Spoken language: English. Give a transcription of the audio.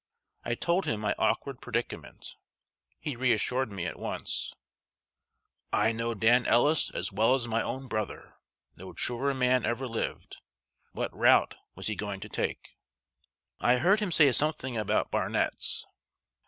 I told him my awkward predicament. He reassured me at once. "I know Dan Ellis as well as my own brother. No truer man ever lived. What route was he going to take?" "I heard him say something about Barnet's."